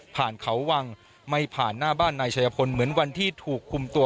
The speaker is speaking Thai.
ผ่านเขาวังไม่ผ่านหน้าบ้านนายชายพลเหมือนวันที่ถูกคุมตัว